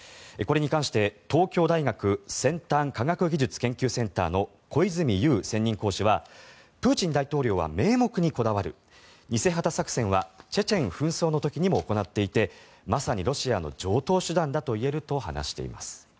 これに関して東京大学先端科学技術研究センターの小泉悠専任講師はプーチン大統領は名目にこだわる偽旗作戦はチェチェン紛争の時にも行っていてまさにロシアの常とう手段だと言えると話しています。